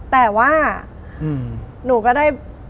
แต่ว่าหนูก็ได้